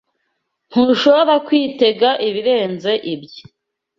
Ntushobora kwitega ibirenze ibyo.